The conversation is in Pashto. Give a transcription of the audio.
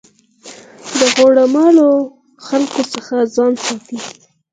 د غوړه مالو خلکو څخه ځان ساتئ.